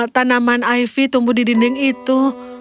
tanaman iv tumbuh di dinding itu